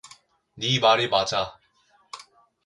네 말이 맞아.